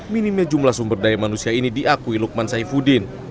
minimnya jumlah sumber daya manusia ini diakui lukman saifuddin